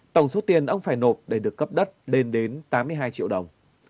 tổng số tiền ông phải nộp để được cấp đất lên đến tám mươi hai triệu đồng